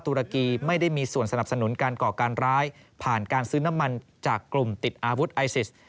รกีไม่ได้มีส่วนสนับสนุนการก่อการร้ายผ่านการซื้อน้ำมันจากกลุ่มติดอาวุธไอซิส